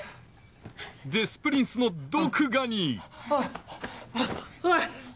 デス・プリンスの毒牙におい！